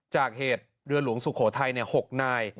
จากเหตุเรือหลวงสุโขทัย๖นาย